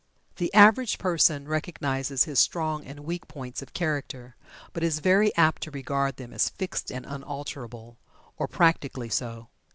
The average person recognizes his strong and weak points of character, but is very apt to regard them as fixed and unalterable, or practically so.